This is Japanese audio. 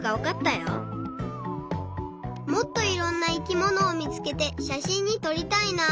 もっといろんな生きものをみつけてしゃしんにとりたいな。